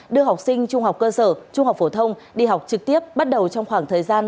đưa học sinh trung học cơ sở trung học phổ thông đi học trực tiếp bắt đầu trong khoảng thời gian